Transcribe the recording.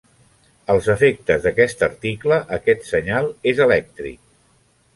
Als efectes d'aquest article, aquest senyal és elèctric.